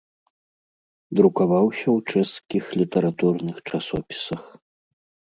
Друкаваўся ў чэшскіх літаратурных часопісах.